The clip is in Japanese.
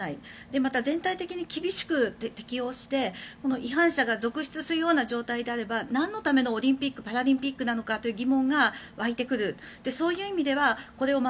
また、全体的に厳しく適用して違反者が続出するような状況であれば何のためのオリンピック・パラリンピックなのかという疑問が湧いてくる。